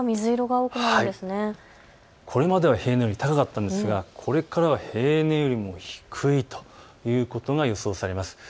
これまでは平年より高かったんですがこれからは平年よりも低いということが予想されます。